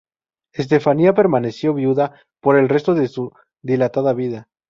Estefanía permaneció viuda por el resto de su dilatada vida.